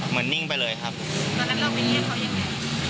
เหมือนนิ่งไปเลยครับแล้วแล้วเราก็เรียกเขายังไง